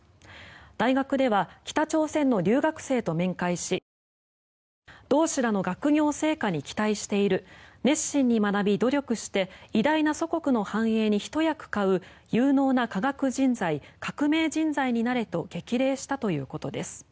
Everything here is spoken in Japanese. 大学では北朝鮮の留学生と面会し同志らの学業成果に期待している熱心に学び、努力して偉大な祖国の繁栄にひと役買う有能な科学人材革命人材になれと激励したということです。